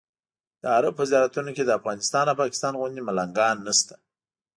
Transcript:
د عربو په زیارتونو کې د افغانستان او پاکستان غوندې ملنګان نشته.